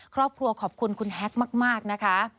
ครอบครัวขอบคุณคุณแฮกมากนะคะ